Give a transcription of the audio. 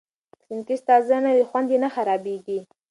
که سنکس تازه نه وي، خوند یې خرابېږي.